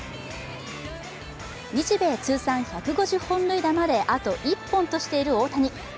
日米通算１５０号本塁打まで、あと１本としている大谷。